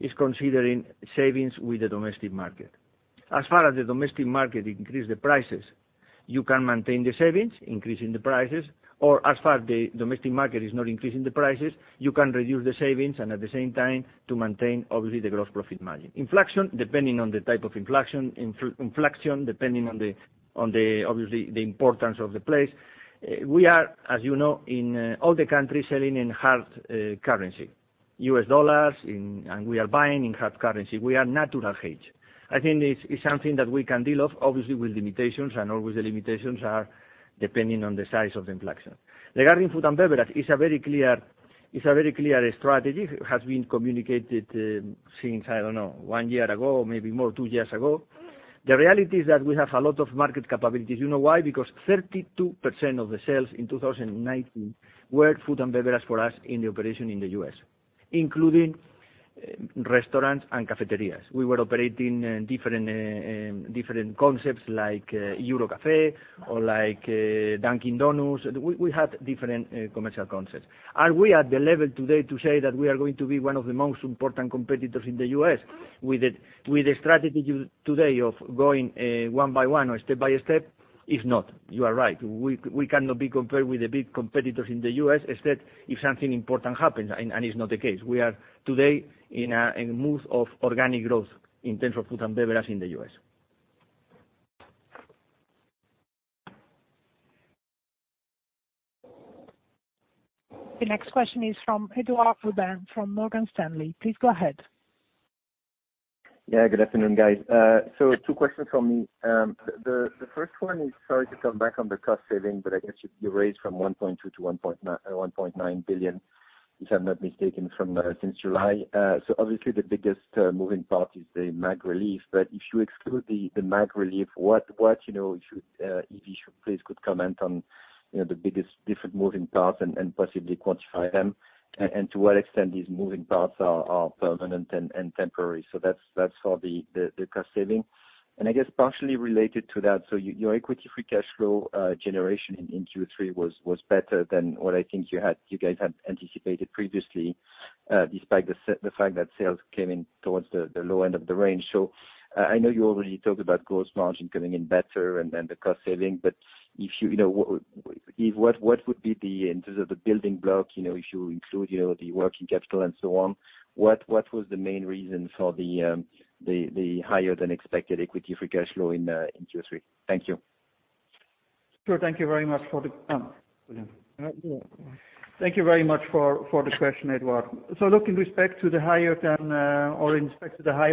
is considering savings with the domestic market. As far as the domestic market increase the prices, you can maintain the savings, increasing the prices, or as far the domestic market is not increasing the prices, you can reduce the savings and at the same time to maintain obviously the gross profit margin. Inflation, depending on the type of inflation, obviously the importance of the place. We are, as you know, in all the countries selling in hard currency, USD, and we are buying in hard currency. We are a natural hedge. I think it's something that we can deal with obviously with limitations, and always the limitations are depending on the size of the inflation. Regarding food and beverage, it's a very clear strategy. It has been communicated since, I don't know, one year ago, maybe more, two years ago. The reality is that we have a lot of market capabilities. You know why? Because 32% of the sales in 2019 were food and beverage for us in the operation in the U.S., including restaurants and cafeterias. We were operating different concepts like Eurocafé or like Dunkin' Donuts. We had different commercial concepts. Are we at the level today to say that we are going to be one of the most important competitors in the U.S. with the strategy today of going one by one or step by step? It's not, you are right. We cannot be compared with the big competitors in the U.S., except if something important happens, and is not the case. We are today in a move of organic growth in terms of food and beverage in the U.S. The next question is from Eduard Ruban from Morgan Stanley. Please go ahead. Yeah, good afternoon, guys. Two questions from me. The first one is sorry to come back on the cost saving, but I guess you raised from 1.2 billion-1.9 billion, if I'm not mistaken, from since July. Obviously the biggest moving part is the MAG relief. But if you exclude the MAG relief, what you know, if you please could comment on you know, the biggest different moving parts and possibly quantify them, and to what extent these moving parts are permanent and temporary. That's for the cost saving. I guess partially related to that, your equity free cash flow generation in Q3 was better than what I think you had, you guys had anticipated previously, despite the fact that sales came in towards the low end of the range. I know you already talked about gross margin coming in better and the cost saving, but you know, what would be, in terms of the building block, you know, if you include the working capital and so on, what was the main reason for the higher than expected equity free cash flow in Q3? Thank you. Sure. Thank you very much for the question, Eduard. Look, in respect to the higher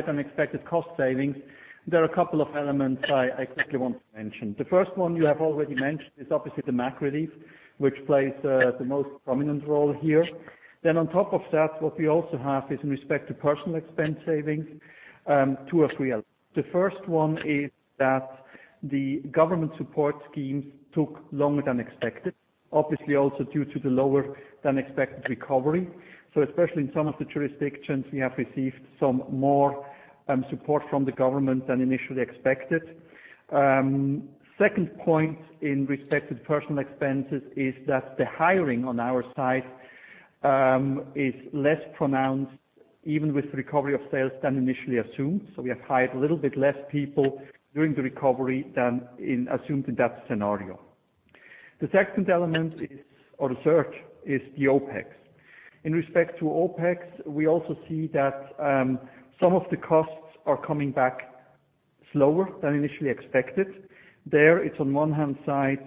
than expected cost savings, there are a couple of elements I quickly want to mention. The first one you have already mentioned is obviously the MAG relief, which plays the most prominent role here. Then on top of that, what we also have is in respect to personnel expense savings, two or three elements. The first one is that the government support schemes took longer than expected, obviously also due to the lower than expected recovery. Especially in some of the jurisdictions, we have received some more support from the government than initially expected. Second point in respect to personnel expenses is that the hiring on our side is less pronounced even with recovery of sales than initially assumed. We have hired a little bit less people during the recovery than assumed in that scenario. The second element is, or the third is the OpEx. In respect to OpEx, we also see that some of the costs are coming back slower than initially expected. There, it's on one hand side,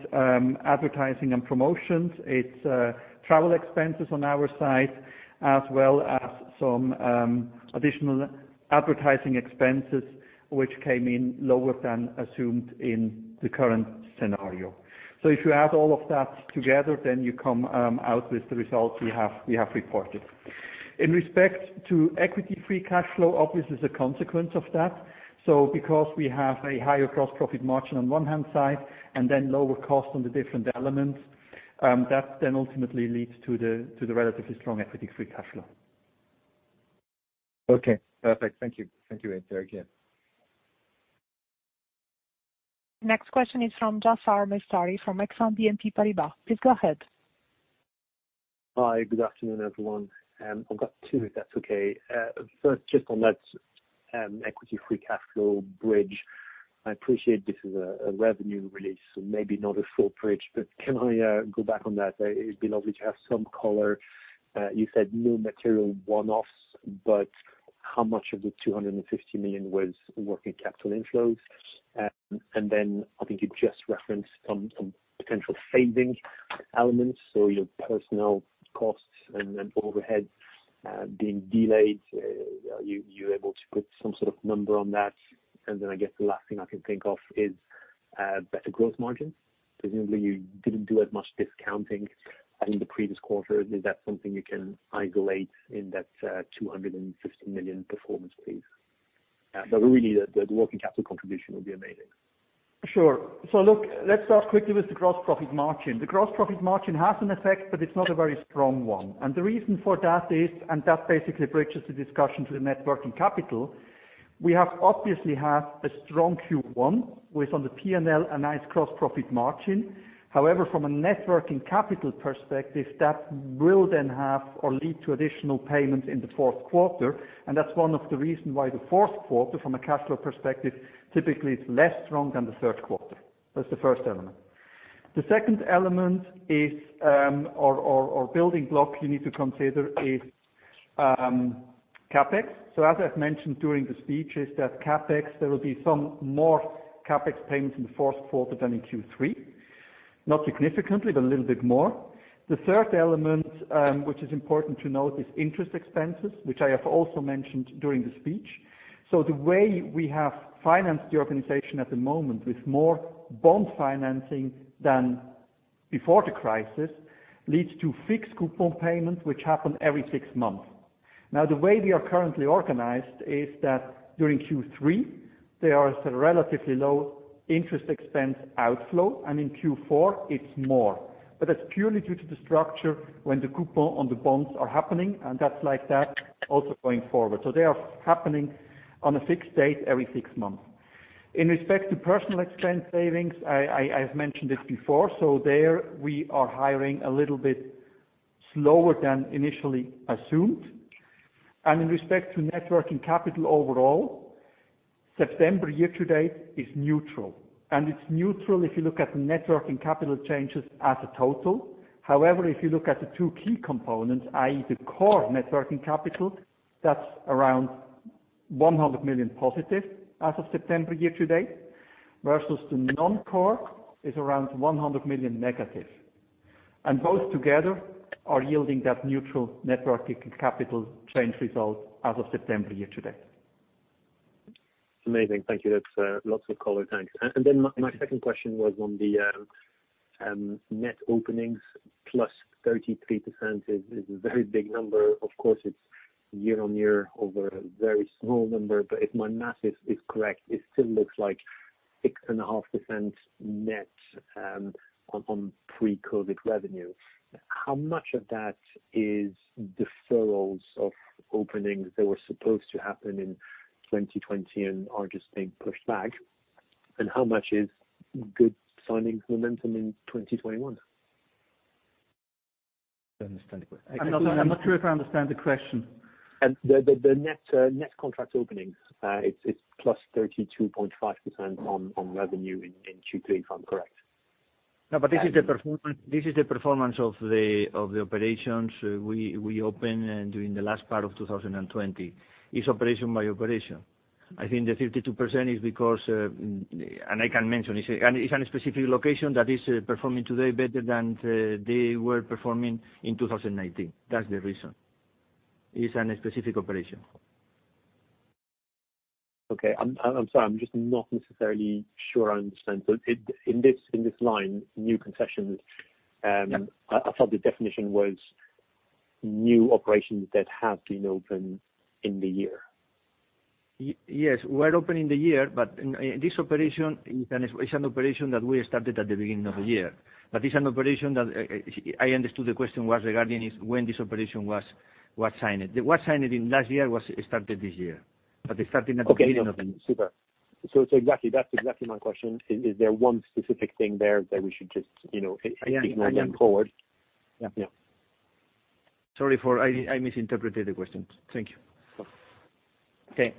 advertising and promotions. It's travel expenses on our side, as well as some additional advertising expenses which came in lower than assumed in the current scenario. If you add all of that together, then you come out with the results we have reported. In respect to equity free cash flow, obviously as a consequence of that, so because we have a higher gross profit margin on the one hand and then lower costs on the different elements, that then ultimately leads to the relatively strong equity free cash flow. Okay, perfect. Thank you. Thanks again. Next question is from Jaafar Mestari from Exane BNP Paribas. Please go ahead. Hi, good afternoon, everyone. I've got two, if that's okay. First, just on that equity free cash flow bridge. I appreciate this is a revenue release, so maybe not a full bridge, but can I go back on that? It'd be lovely to have some color. You said no material one-offs, but how much of the 250 million was working capital inflows? Then I think you just referenced some potential saving elements, so your personnel costs and overheads being delayed. Are you able to put some sort of number on that? Then I guess the last thing I can think of is better gross margin. Presumably, you didn't do as much discounting in the previous quarter. Is that something you can isolate in that 250 million performance please? Really the working capital contribution would be amazing. Sure. Look, let's start quickly with the gross profit margin. The gross profit margin has an effect, but it's not a very strong one. The reason for that is, and that basically bridges the discussion to the net working capital. We have obviously had a strong Q1 with, on the P&L, a nice gross profit margin. However, from a net working capital perspective, that will then have or lead to additional payments in the fourth quarter. That's one of the reasons why the fourth quarter, from a cash flow perspective, typically is less strong than the third quarter. That's the first element. The second element is, or building block you need to consider is, CapEx. As I've mentioned during the speech, CapEx, there will be some more CapEx payments in the fourth quarter than in Q3. Not significantly, but a little bit more. The third element, which is important to note, is interest expenses, which I have also mentioned during the speech. The way we have financed the organization at the moment with more bond financing than before the crisis, leads to fixed coupon payments, which happen every six months. The way we are currently organized is that during Q3, there is a relatively low interest expense outflow, and in Q4 it's more. That's purely due to the structure when the coupon on the bonds are happening, and that's like that also going forward. They are happening on a fixed date every six months. In respect to personnel expense savings, I've mentioned this before. There we are hiring a little bit slower than initially assumed. In respect to net working capital overall, September year to date is neutral, and it's neutral if you look at the net working capital changes as a total. However, if you look at the two key components, i.e. the core net working capital, that's around +100 million as of September year-to-date, versus the non-core is around -100 million. Both together are yielding that neutral net working capital change result as of September year-to-date. Amazing. Thank you. That's lots of color. Thanks. My second question was on the net openings, +33% is a very big number. Of course, it's year-on-year over a very small number, but if my math is correct, it still looks like 6.5% net on pre-COVID revenue. How much of that is deferrals of openings that were supposed to happen in 2020 and are just being pushed back? How much is good signing momentum in 2021? I don't understand the que- I'm not sure if I understand the question. The net contract openings, it's +32.5% on revenue in Q3, if I'm correct. No, this is the performance of the operations we opened during the last part of 2020. It's operation by operation. I think the 52% is because, and I can mention it. It's a specific location that is performing today better than they were performing in 2019. That's the reason. It's in a specific operation. Okay. I'm sorry. I'm just not necessarily sure I understand. In this line, new concessions. Yeah. I thought the definition was new operations that have been opened in the year. Yes. We opened this year. This operation is an operation that we started at the beginning of the year. It's an operation that I understood the question was regarding when this operation was signed. It was signed last year, was started this year. It started at the beginning of the year. Okay. No. Super. So exactly. That's exactly my question. Is there one specific thing there that we should just, you know, ignore going forward? Yeah. Yeah. Yeah. Sorry, I misinterpreted the question. Thank you. Okay.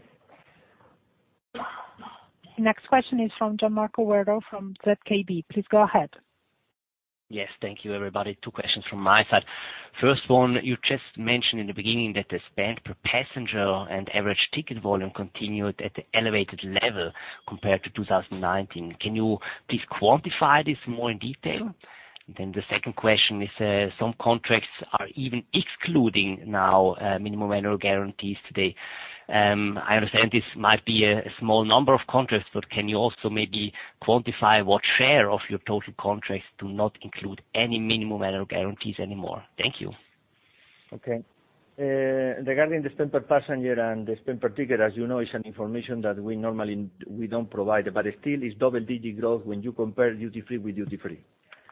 Next question is from Gian Marco Werro from ZKB. Please go ahead. Yes, thank you, everybody. Two questions from my side. First one, you just mentioned in the beginning that the spend per passenger and average ticket volume continued at the elevated level compared to 2019. Can you please quantify this more in detail? The second question is, some contracts are even excluding now minimum annual guarantees today. I understand this might be a small number of contracts, but can you also maybe quantify what share of your total contracts do not include any minimum annual guarantees anymore? Thank you. Okay. Regarding the spend per passenger and the spend per ticket, as you know, it's an information that we normally don't provide. Still it's double-digit growth when you compare duty-free with duty-free.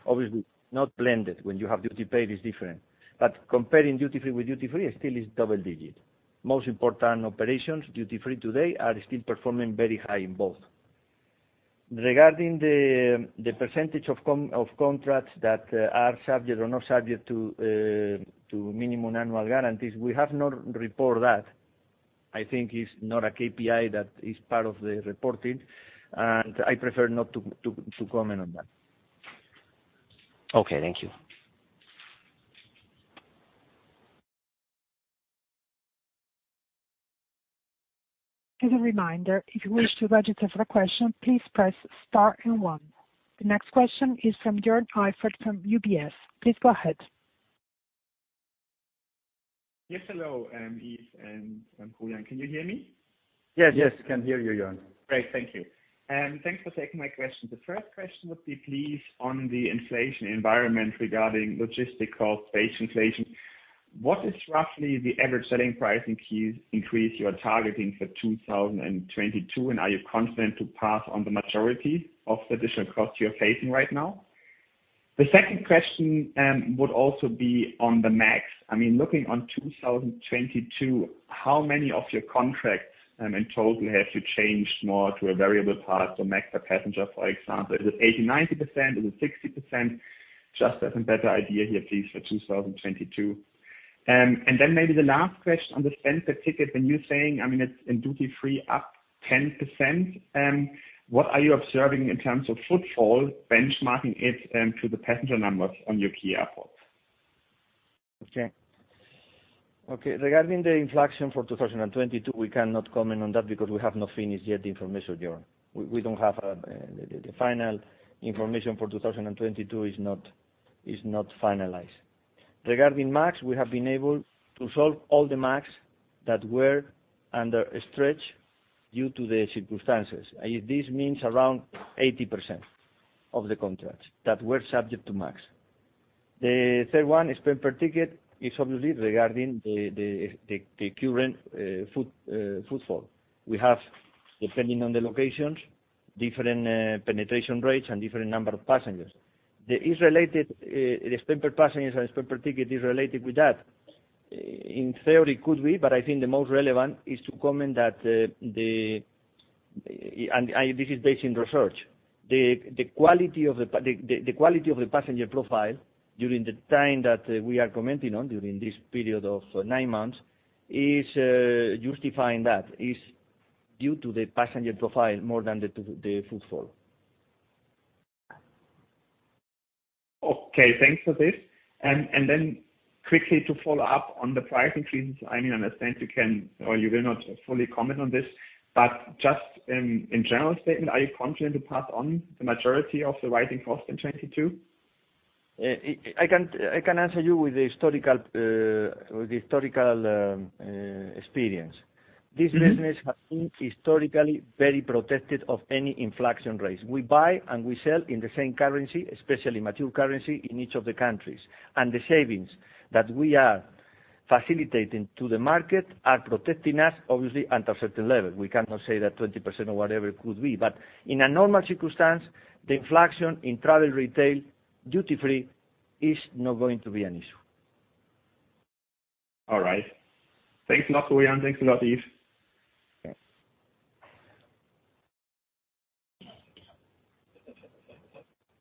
Obviously, not blended. When you have duty paid, it's different. Comparing duty-free with duty-free, it still is double digit. Most important operations, duty-free today are still performing very high in both. Regarding the percentage of contracts that are subject or not subject to minimum annual guarantees, we have not reported that. I think it's not a KPI that is part of the reporting, and I prefer not to comment on that. Okay. Thank you. As a reminder, if you wish to register for a question, please press star and one. The next question is from Joern Iffert from UBS. Please go ahead. Yes, hello, Yves and Julián. Can you hear me? Yes, yes. I can hear you, Joern. Great. Thank you. Thanks for taking my question. The first question would be please on the inflation environment regarding logistics cost base inflation. What is roughly the average selling price increase you are targeting for 2022, and are you confident to pass on the majority of the additional costs you are facing right now? The second question would also be on the MAG. I mean, looking at 2022, how many of your contracts in total have you changed more to a variable part or MAG per passenger, for example? Is it 80%, 90%? Is it 60%? Just as a better idea here, please, for 2022. And then maybe the last question on the spend per ticket when you're saying, I mean, it's in duty-free up 10%, what are you observing in terms of footfall benchmarking it to the passenger numbers on your key airports? Okay, regarding the inflation for 2022, we cannot comment on that because we have not finished yet the information, Joern. We don't have the final information for 2022 is not finalized. Regarding MAG, we have been able to solve all the MAG that were under stretch due to the circumstances. This means around 80% of the contracts that were subject to MAG. The third one is spend per ticket is obviously regarding the current footfall. We have, depending on the locations, different penetration rates and different number of passengers. It's related, the spend per passenger and spend per ticket is related with that. In theory, it could be, but I think the most relevant is to comment that this is based in research. The quality of the passenger profile during the time that we are commenting on, during this period of nine months, is justifying that is due to the passenger profile more than the footfall. Okay, thanks for this. Quickly to follow up on the pricing trends. I mean, I understand you can or you will not fully comment on this, but just in general statement, are you confident to pass on the majority of the rising cost in 2022? I can answer you with the historical experience. Mm-hmm. This business has been historically very protected of any inflation rates. We buy and we sell in the same currency, especially mature currency, in each of the countries. The savings that we are facilitating to the market are protecting us obviously under certain level. We cannot say that 20% or whatever it could be, but in a normal circumstance, the inflation in travel retail duty-free is not going to be an issue. All right. Thanks a lot, Julián. Thanks a lot, Yves. Okay.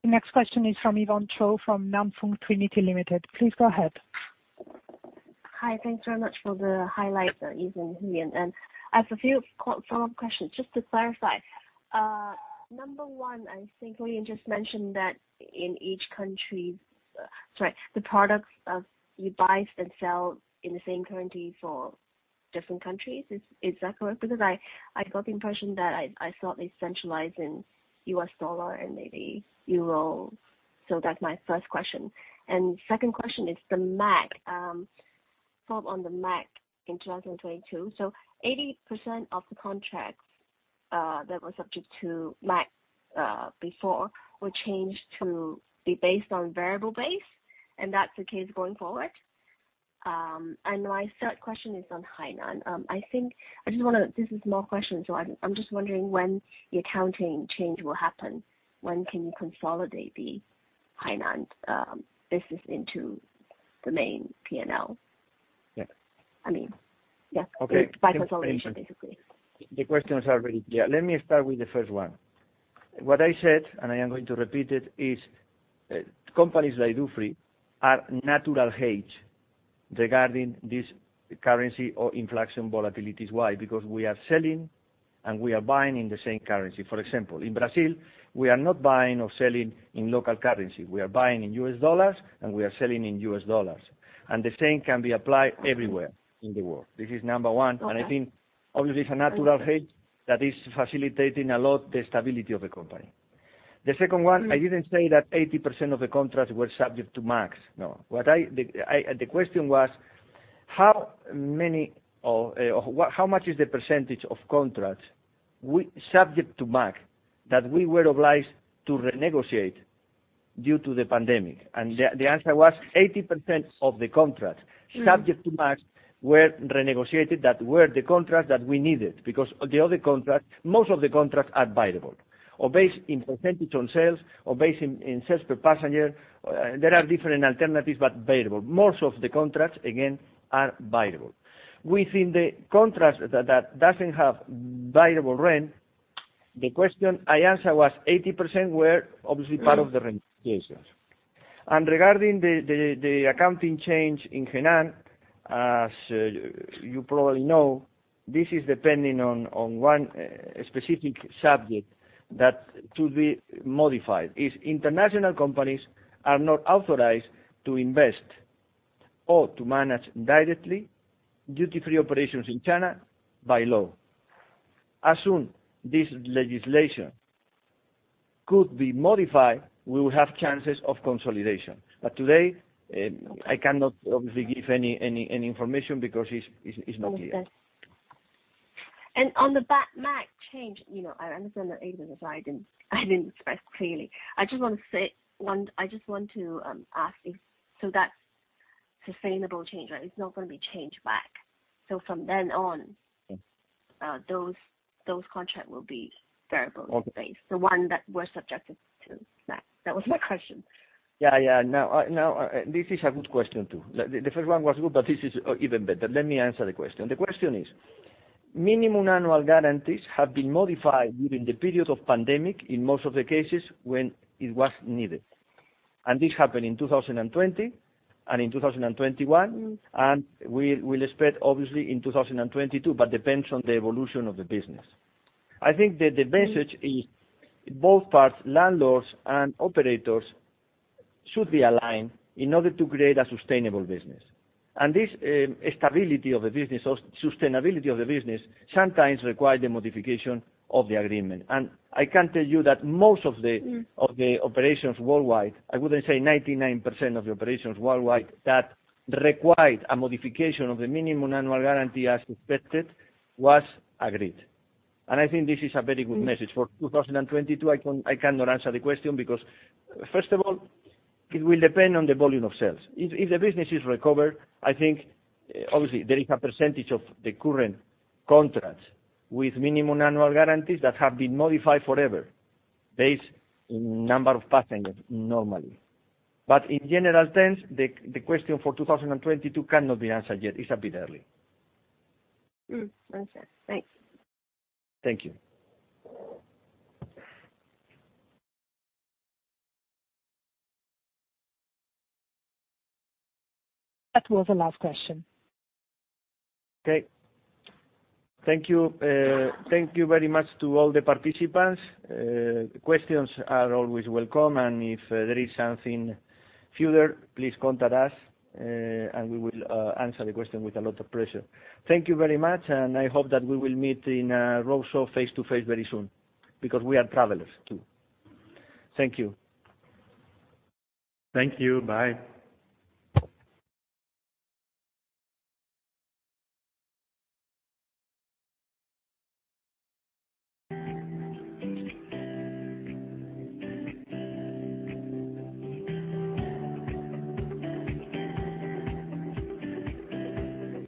The next question is from Yvonne Chow, from Nan Fung Trinity Limited. Please go ahead. Hi. Thanks very much for the highlights, Yves and Julián. I have a few follow-up questions just to clarify. Number one, I think Julián just mentioned that in each country, the products that you buy and sell in the same currency for different countries. Is that correct? Because I got the impression that I thought they centralize in USD and maybe EUR. That's my first question. Second question is the MAG, so on the MAG in 2022. Eighty percent of the contracts that were subject to MAG before were changed to be based on variable basis, and that's the case going forward? My third question is on Hainan. I think I just wanna. This is more question, so I'm just wondering when the accounting change will happen. When can you consolidate the Hainan business into the main P&L? Yeah. I mean, yeah. Okay. By consolidation, basically. The questions are very clear. Let me start with the first one. What I said, and I am going to repeat it, is, companies like Dufry are natural hedge regarding this currency or inflation volatilities. Why? Because we are selling and we are buying in the same currency. For example, in Brazil, we are not buying or selling in local currency. We are buying in USD, and we are selling in USD. The same can be applied everywhere in the world. This is number one. Okay. I think obviously it's a natural hedge that is facilitating a lot the stability of the company. The second one- Mm. I didn't say that 80% of the contracts were subject to MAG. No. The question was how many or what, how much is the percentage of contracts we subject to MAG that we were obliged to renegotiate due to the pandemic? The answer was 80% of the contracts. Mm. MAGs were renegotiated. Those were the contracts that we needed because the other contracts, most of the contracts are variable or based on percentage on sales or based on sales per passenger. There are different alternatives, but variable. Most of the contracts again are variable. Within the contracts that doesn't have variable rent, the question I answered was 80% were obviously part of the renegotiations. Regarding the accounting change in Hainan, as you probably know, this is depending on one specific subject that should be modified, international companies are not authorized to invest or to manage directly duty-free operations in China by law. As soon as this legislation could be modified, we will have chances of consolidation. Today, I cannot obviously give any information because it's not clear. Understood. On the back max change, you know, I understand that either. I didn't express clearly. I just want to ask if that, sustainable change, right? It's not gonna be changed back. From then on those contracts will be variable. Okay. -based, the one that were subjected to that. That was my question. Yeah, yeah. No, no, this is a good question too. The first one was good, but this is even better. Let me answer the question. The question is, minimum annual guarantees have been modified during the period of pandemic in most of the cases when it was needed, and this happened in 2020 and in 2021, and we'll expect obviously in 2022, but depends on the evolution of the business. I think that the message is both parts, landlords and operators, should be aligned in order to create a sustainable business. This stability of the business or sustainability of the business sometimes require the modification of the agreement. I can tell you that most of the- Mm. -of the operations worldwide, I wouldn't say 99% of the operations worldwide that required a modification of the minimum annual guarantee as expected was agreed. I think this is a very good message. For 2022, I cannot answer the question because first of all, it will depend on the volume of sales. If the business is recovered, I think, obviously, there is a percentage of the current contracts with minimum annual guarantees that have been modified forever based on number of passengers normally. In general terms, the question for 2022 cannot be answered yet. It's a bit early. I understand. Thanks. Thank you. That was the last question. Okay. Thank you. Thank you very much to all the participants. Questions are always welcome, and if there is something further, please contact us, and we will answer the question with a lot of pleasure. Thank you very much, and I hope that we will meet in a roadshow face-to-face very soon, because we are travelers too. Thank you. Thank you. Bye.